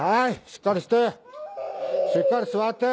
しっかり座って！